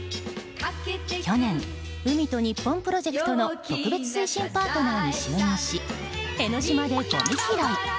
去年、海と日本プロジェクトとの特別推進パートナーに就任し江の島でごみ拾い。